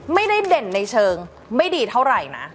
ไม่ได้เด่นในเชิงไม่ดีเท่าไหร่นะ